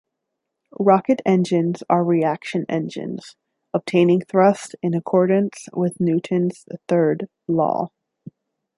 Rocket engines are reaction engines, obtaining thrust in accordance with Newton's third law.